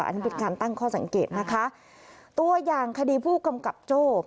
อันนี้เป็นการตั้งข้อสังเกตนะคะตัวอย่างคดีผู้กำกับโจ้